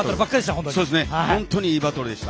本当にいいバトルでした。